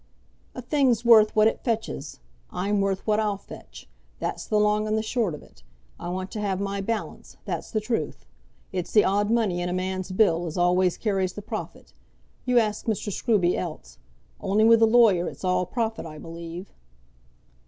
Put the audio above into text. "A thing's worth what it fetches. I'm worth what I'll fetch; that's the long and the short of it. I want to have my balance, that's the truth. It's the odd money in a man's bill as always carries the profit. You ask Mr. Scruby else; only with a lawyer it's all profit I believe."